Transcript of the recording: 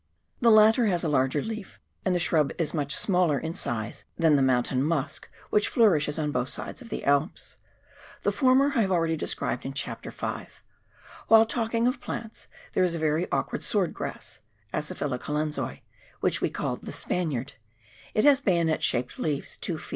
The latter has a larger leaf, and the shrub is much smaller in size than the " mountain musk " which flourishes on both sides of the Alps. The former I have already described in Chapter Y. While talking of plants there is a very awkward sword grass {Aciphylla colensii) which we call the " Spaniard," it has bayonet shaped leaves, two ft.